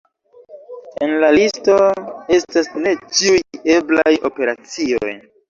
En la listo estas ne ĉiuj eblaj operacioj.